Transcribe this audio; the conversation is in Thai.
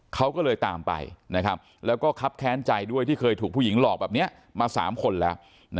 เขาก็เลยตามไปแล้วก็ครับแค้นใจด้วยที่เคยถูกผู้หญิงหลอกแบบนี้มา๓คนแล้ว